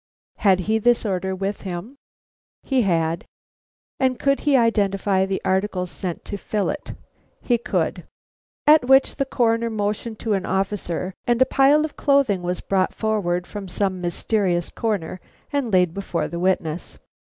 Had he this order with him? He had. And could he identify the articles sent to fill it? He could. At which the Coroner motioned to an officer and a pile of clothing was brought forward from some mysterious corner and laid before the witness.